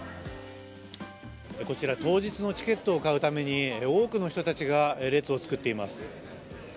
こちら当日のチケットを買うために多くの人たちが列を作っています。